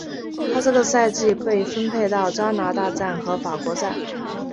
她这个赛季被分配到加拿大站和法国站。